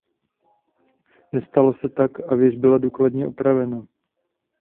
Nestalo se tak a věž byla důkladně opravena.